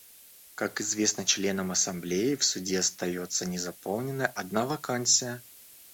Как известно членам Ассамблеи, в Суде остается незаполненной одна вакансия.